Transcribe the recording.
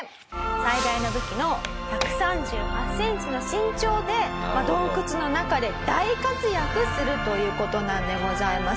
最大の武器の１３８センチの身長で洞窟の中で大活躍するという事なんでございます。